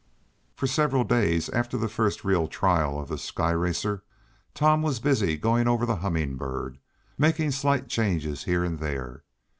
For several days after the first real trial of his sky racer Tom was busy going over the Humming Bird, making slight changes here and there.